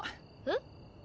えっ？